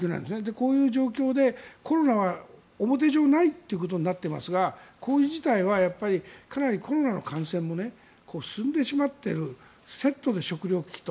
こういう状況でコロナは表上ないということになっていますがこういう事態はかなりコロナの感染も進んでしまっているセットで食糧危機と。